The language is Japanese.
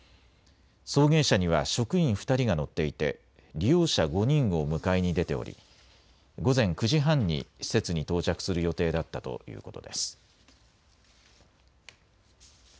送迎車には職員２人が乗っていて利用者５人を迎えに出ており午前９時半に施設に到着する予定だったということです。